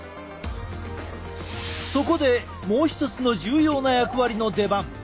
そこでもう一つの重要な役割の出番。